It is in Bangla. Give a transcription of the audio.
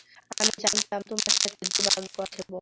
আমি জানতাম তোমার সাথে দুর্ভাগ্য আছে, বব।